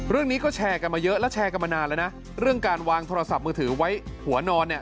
เรื่องนี้ก็แชร์กันมาเยอะแล้วแชร์กันมานานแล้วนะเรื่องการวางโทรศัพท์มือถือไว้หัวนอนเนี่ย